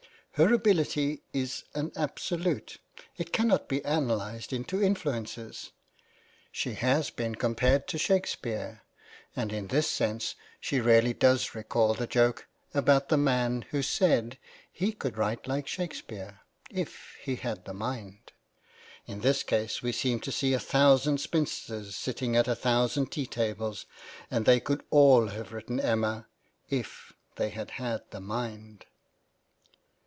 Her ability is an absolute ; it cannot be analysed into influences. She has been compared to Shakespeare ; and in this sense she really does recall the joke about the man who said he could write like Shakespeare if he had the mind. In this case we seem to see a thousand spinsters sitting at a thousand tea tables ; and they could all have written "Emma" if they had had the mind.